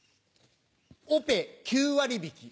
オペ９割引き。